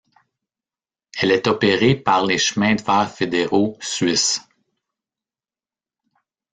Elle est opérée par les Chemins de fer fédéraux suisses.